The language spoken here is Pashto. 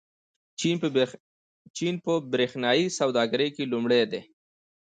چین په برېښنايي سوداګرۍ کې لومړی دی.